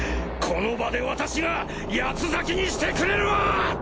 この場で私が八つ裂きにしてくれるわ！